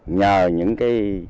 nhờ những cái